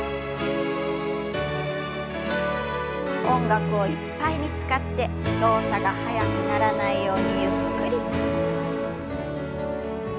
音楽をいっぱいに使って動作が速くならないようにゆっくりと。